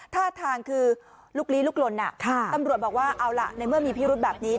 ท่าทางคือลุกลี้ลุกลนตำรวจบอกว่าเอาล่ะในเมื่อมีพิรุธแบบนี้